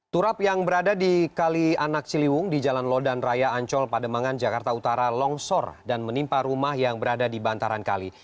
turap yang berada di kali anak ciliwung di jalan lodan raya ancol pademangan jakarta utara longsor dan menimpa rumah yang berada di bantaran kali